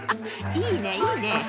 いいねいいねぇ。